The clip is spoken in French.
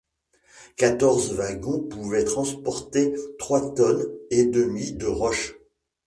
Quatorze wagons pouvaient transporter trois tonnes et demie de roches.